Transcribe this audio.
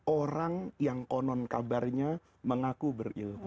orang yang konon kabarnya mengaku berilmu